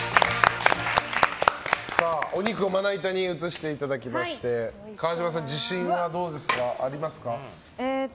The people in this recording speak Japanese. お肉をまな板に移していただきまして川嶋さん、自信はありますか？